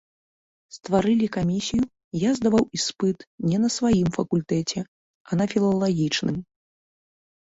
Стварылі камісію, я здаваў іспыт не на сваім факультэце, а на філалагічным.